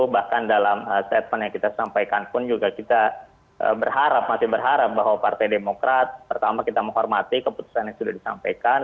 bahkan dalam statement yang kita sampaikan pun juga kita berharap masih berharap bahwa partai demokrat pertama kita menghormati keputusan yang sudah disampaikan